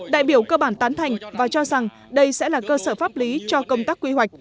đại biểu cơ bản tán thành và cho rằng đây sẽ là cơ sở pháp lý cho công tác quy hoạch